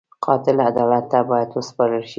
قاتل عدالت ته باید وسپارل شي